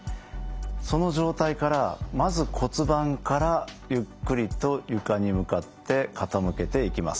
その状態からまず骨盤からゆっくりと床に向かって傾けていきます。